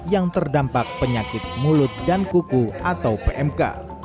yang terdampak penyakit mulut dan kuku atau pmk